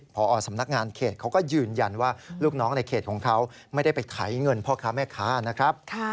พอสำนักงานเขตเขาก็ยืนยันว่าลูกน้องในเขตของเขาไม่ได้ไปไถเงินพ่อค้าแม่ค้านะครับ